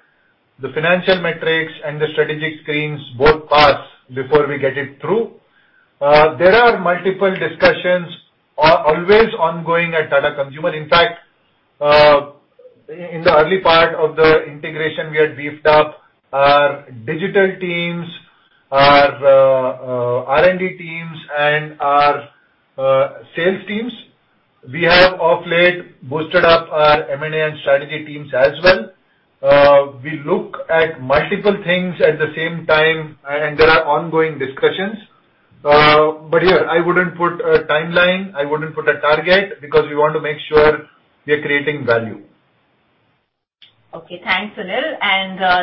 the financial metrics and the strategic screens both pass before we get it through. There are multiple discussions always ongoing at Tata Consumer. In fact, in the early part of the integration, we had beefed up our digital teams, our R&D teams, and our sales teams. We have of late boosted up our M&A and strategy teams as well. We look at multiple things at the same time, and there are ongoing discussions. Here, I wouldn't put a timeline, I wouldn't put a target because we want to make sure we are creating value. Okay. Thanks, Sunil.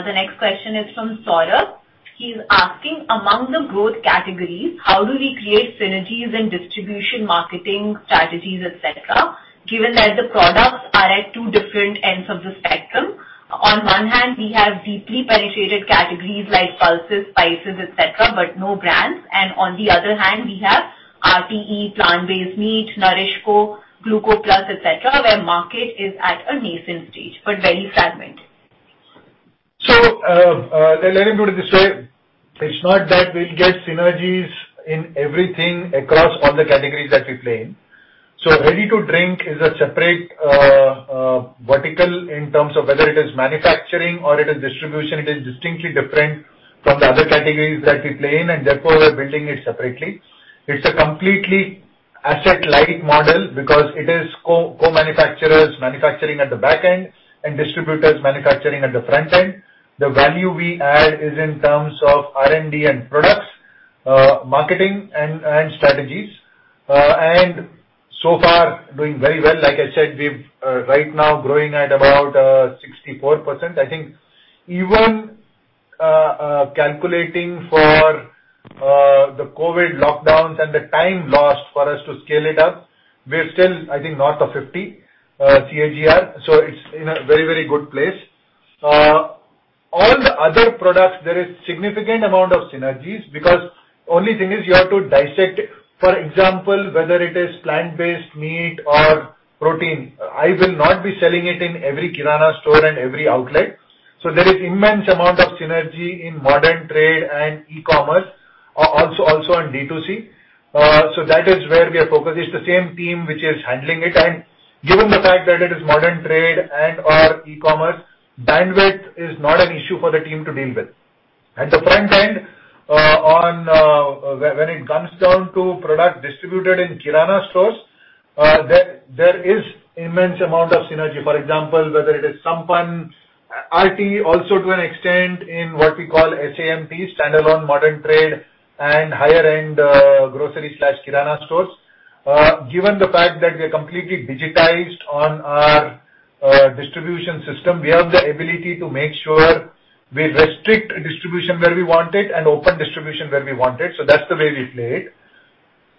The next question is from Saurabh. He's asking: Among the growth categories, how do we create synergies in distribution, marketing strategies, et cetera, given that the products are at two different ends of the spectrum? On one hand, we have deeply penetrated categories like pulses, spices, et cetera, but no brands, and on the other hand, we have RTE, plant-based meat, NourishCo, Gluco+, et cetera, where market is at a nascent stage but very fragmented. Let me put it this way. It's not that we'll get synergies in everything across all the categories that we play in. Ready to drink is a separate vertical in terms of whether it is manufacturing or it is distribution. It is distinctly different from the other categories that we play in, and therefore we're building it separately. It's a completely asset-light model because it is co-manufacturers manufacturing at the back end and distributors manufacturing at the front end. The value we add is in terms of R&D and products, marketing and strategies. So far doing very well. Like I said, we've right now growing at about 64%. I think even calculating for the COVID lockdowns and the time lost for us to scale it up, we're still, I think, north of 50 CAGR. So it's in a very, very good place. All the other products, there is significant amount of synergies because only thing is you have to dissect, for example, whether it is plant-based meat or protein. I will not be selling it in every kirana store and every outlet. So there is immense amount of synergy in modern trade and e-commerce, also on D2C. So that is where we are focused. It's the same team which is handling it. Given the fact that it is modern trade and/or e-commerce, bandwidth is not an issue for the team to deal with. At the front end, when it comes down to product distributed in kirana stores, there is immense amount of synergy. For example, whether it is Sampann, RTE also to an extent in what we call SAMT, standalone modern trade and higher-end, grocery/kirana stores. Given the fact that we are completely digitized on our distribution system, we have the ability to make sure we restrict distribution where we want it and open distribution where we want it, so that's the way we play it.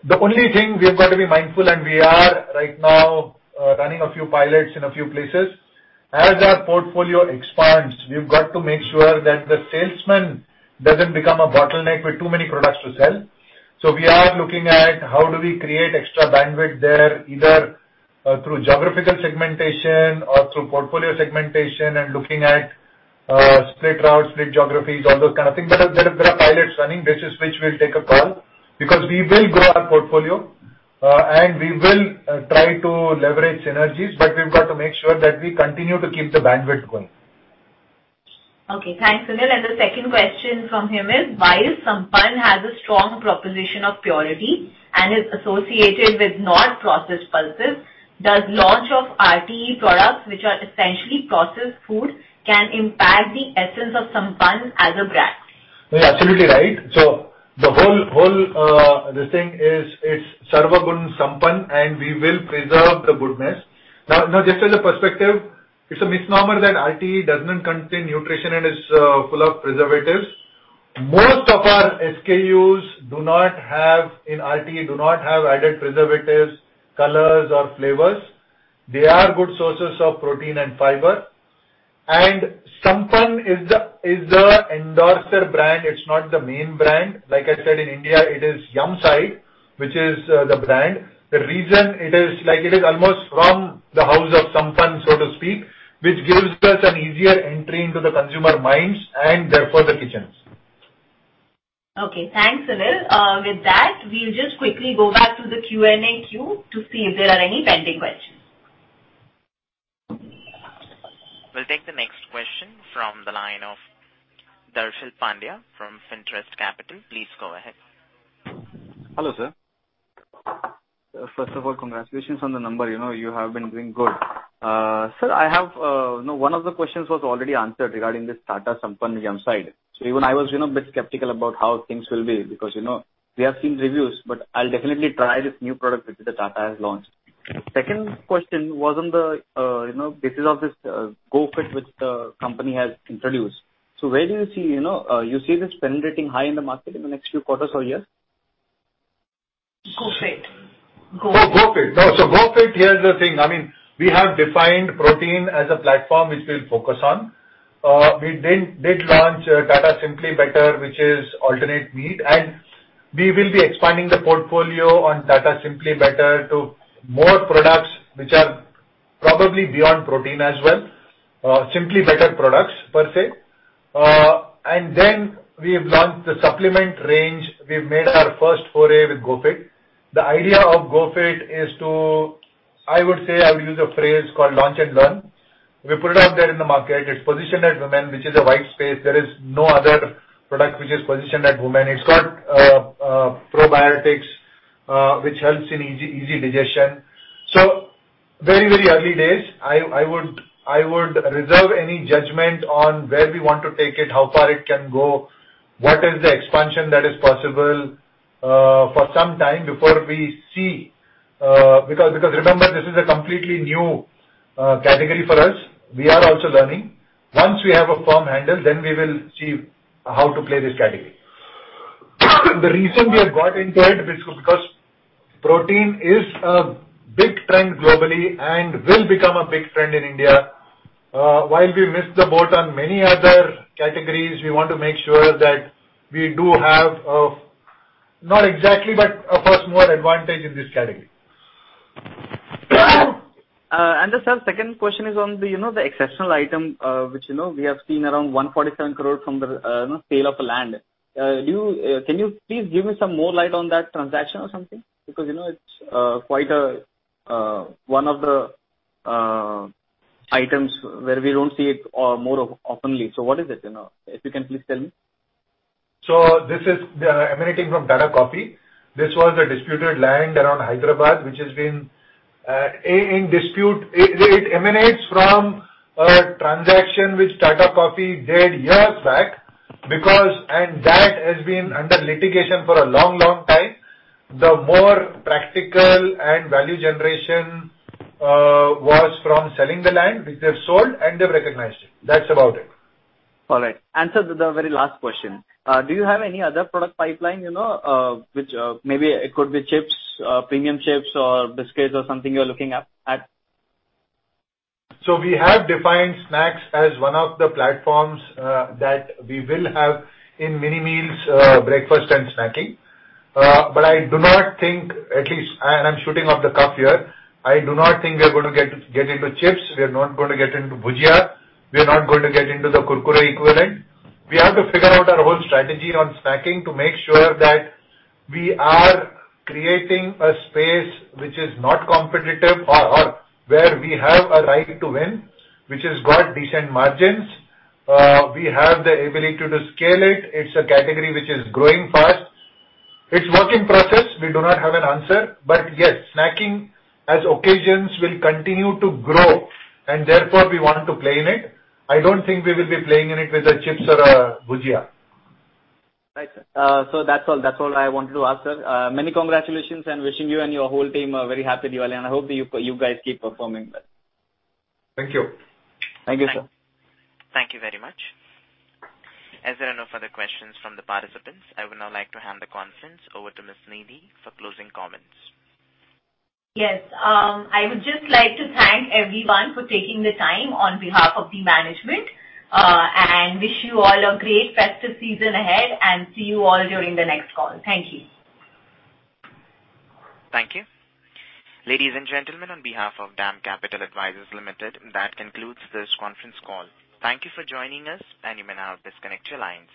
The only thing we have got to be mindful, and we are right now running a few pilots in a few places. As our portfolio expands, we've got to make sure that the salesman doesn't become a bottleneck with too many products to sell. We are looking at how do we create extra bandwidth there, either through geographical segmentation or through portfolio segmentation and looking at split routes, split geographies, all those kind of things. There are pilots running. This is which we'll take a call because we will grow our portfolio, and we will try to leverage synergies, but we've got to make sure that we continue to keep the bandwidth going. Okay. Thanks, Sunil. The second question from him is: While Sampann has a strong proposition of purity and is associated with non-processed pulses, does launch of RTE products which are essentially processed foods can impact the essence of Sampann as a brand? No, you're absolutely right. The whole thing is, it's Sarvagun Sampann, and we will preserve the goodness. Now just as a perspective, it's a misnomer that RTE does not contain nutrition and is full of preservatives. Most of our SKUs in RTE do not have added preservatives, colors or flavors. They are good sources of protein and fiber. Sampann is the endorser brand. It's not the main brand. Like I said, in India it is Yumside which is the brand. The reason it is almost from the house of Sampann, so to speak, which gives us an easier entry into the consumer minds and therefore the kitchens. Okay. Thanks, Sunil. With that, we'll just quickly go back to the Q&A queue to see if there are any pending questions. We'll take the next question from the line of Darshan Pandya from Fintrust Capital. Please go ahead. Hello, sir. First of all, congratulations on the number. You know, you have been doing good. Sir, I have, you know, one of the questions was already answered regarding this Tata Sampann Yumside. So even I was, you know, bit skeptical about how things will be because, you know, we have seen reviews, but I'll definitely try this new product which the Tata has launched. Second question was on the, you know, basis of this, GoFit which the company has introduced. So where do you see, you know, you see this penetrating high in the market in the next few quarters or years? GoFit. GoFit. No. GoFit, here's the thing. I mean, we have defined protein as a platform which we'll focus on. We did launch Tata Simply Better, which is alternative meat, and we will be expanding the portfolio on Tata Simply Better to more products which are probably beyond protein as well. Simply Better products per se. We've launched the supplement range. We've made our first foray with GoFit. The idea of GoFit is to, I would say, I would use a phrase called launch and learn. We put it out there in the market. It's positioned at women, which is a wide space. There is no other product which is positioned at women. It's got probiotics, which helps in easy digestion. Very early days. I would reserve any judgment on where we want to take it, how far it can go, what is the expansion that is possible, for some time before we see. Because remember this is a completely new category for us. We are also learning. Once we have a firm handle, then we will see how to play this category. The reason we have got into it is because protein is a big trend globally and will become a big trend in India. While we missed the boat on many other categories, we want to make sure that we do have a, not exactly, but a first-mover advantage in this category. Just a second question is on the, you know, the exceptional item, which, you know, we have seen around 147 crore from the, you know, sale of land. Can you please give me some more light on that transaction or something? Because, you know, it's quite one of the items where we don't see it more openly. What is it, you know? If you can please tell me. This is emanating from Tata Coffee. This was a disputed land around Hyderabad, which has been in dispute. It emanates from a transaction which Tata Coffee did years back, and that has been under litigation for a long time. The more practical and value generation was from selling the land, which they've sold and they've recognized it. That's about it. All right. Sir, the very last question. Do you have any other product pipeline, you know, which, maybe it could be chips, premium chips or biscuits or something you're looking at? We have defined snacks as one of the platforms that we will have in mini meals, breakfast and snacking. I do not think, at least, and I'm shooting off the cuff here, I do not think we are gonna get into chips. We are not gonna get into bhujia. We are not gonna get into the Kurkure equivalent. We have to figure out our whole strategy on snacking to make sure that we are creating a space which is not competitive or where we have a right to win, which has got decent margins. We have the ability to scale it. It's a category which is growing fast. It's work in progress. We do not have an answer. Yes, snacking as occasions will continue to grow and therefore we want to play in it. I don't think we will be playing in it with the chips or bhujia. Right. That's all I wanted to ask, sir. Many congratulations and wishing you and your whole team a very happy Diwali, and I hope you guys keep performing well. Thank you. Thank you, sir. Thank you very much. As there are no further questions from the participants, I would now like to hand the conference over to Ms. Nidhi Verma for closing comments. Yes. I would just like to thank everyone for taking the time on behalf of the management, and wish you all a great festive season ahead and see you all during the next call. Thank you. Thank you. Ladies and gentlemen, on behalf of DAM Capital Advisors, that concludes this conference call. Thank you for joining us, and you may now disconnect your lines.